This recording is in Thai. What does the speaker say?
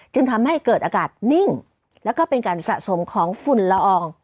จึงทำให้เกิดอากาศนิ่งแล้วก็เป็นการสะสมของฝุ่นละออง